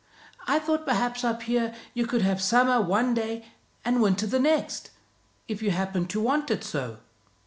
I thought perhaps up here you could have summer one day, and winter the next, if you happened to want it so."